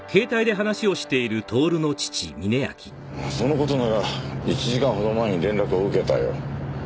その事なら１時間ほど前に連絡を受けたよ。